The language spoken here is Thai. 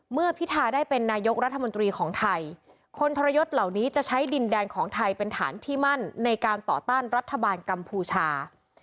พิทาได้เป็นนายกรัฐมนตรีของไทยคนทรยศเหล่านี้จะใช้ดินแดนของไทยเป็นฐานที่มั่นในการต่อต้านรัฐบาลกัมพูชา